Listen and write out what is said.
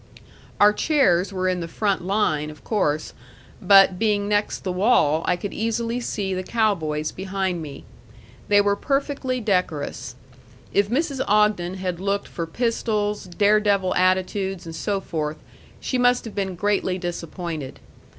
Our chairs were in the front line, of course; but, being next the wall, I could easily see the cow boys behind me. They were perfectly decorous. If Mrs. Ogden had looked for pistols, daredevil attitudes, and so forth, she must have been greatly disappointed.